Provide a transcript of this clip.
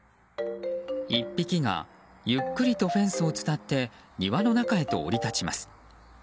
１匹がゆっくりとフェンスを伝って庭の中へと降り立ちます。